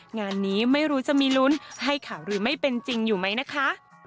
งานนี้ไม่รู้จะมีลุ้นให้ข่าวหรือไม่เป็นจริงอยู่ไหมนะคะ